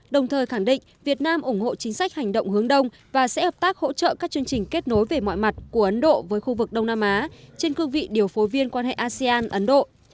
đồng thời khẳng định việt nam ủng hộ chính sách hành động hướng đông và sẽ hợp tác hỗ trợ các chương trình kết nối về mọi mặt của ấn độ với khu vực đông nam á trên cơ vị điều phối viên quan hệ asean ấn độ